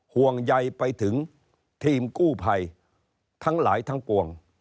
ห่วงใยไปถึงทีมกู้ภัยทั้งหลายทั้งปวง